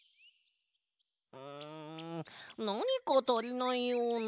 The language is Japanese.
うんなにかたりないような。